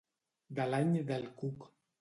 De l'any del cuc.